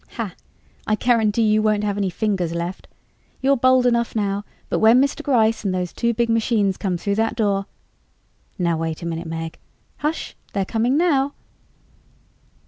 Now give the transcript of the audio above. "Hah! I guarantee you won't have any fingers left. You're bold enough now, but when Mr. Gryce and those two big machines come through that door " "Now wait a minute, Meg " "Hush! They're coming now!"